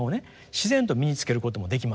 自然と身につけることもできません。